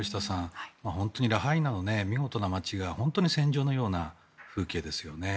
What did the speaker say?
本当にラハイナの見事な街が本当に戦場のような風景ですよね。